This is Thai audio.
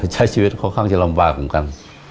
ใช้ชีวิตค่อนข้างจะลำบากเหมือนกัน